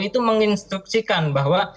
itu menginstruksikan bahwa